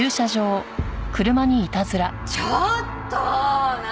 ちょっと何？